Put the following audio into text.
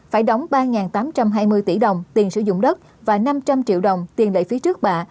phải đóng ba tám trăm hai mươi tỷ đồng tiền sử dụng đất và năm trăm linh triệu đồng tiền lệ phí trước bạ